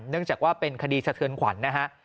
เนื่องจากว่าเป็นคดีสะเทือนขวัญนะฮะ